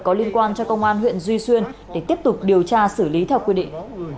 có liên quan cho công an huyện duy xuyên để tiếp tục điều tra xử lý theo quy định